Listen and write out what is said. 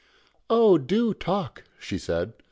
"Oh! do talk," she said.